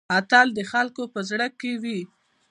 اتل د خلکو په زړه کې وي؟